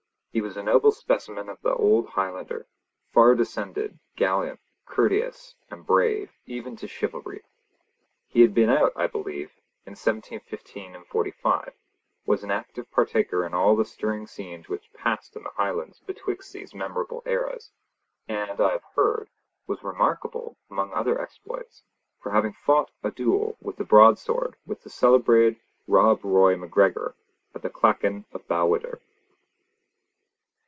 He was a noble specimen of the old Highlander, far descended, gallant, courteous, and brave, even to chivalry. He had been out, I believe, in 1715 and 1745, was an active partaker in all the stirring scenes which passed in the Highlands betwixt these memorable eras; and, I have heard, was remarkable, among other exploits, for having fought a duel with the broadsword with the celebrated Rob Roy MacGregor at the clachan of Balquidder.